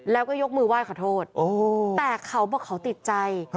แล้วก็ยกมือไหว้ขอโทษแต่เขาบอกเขาติดใจ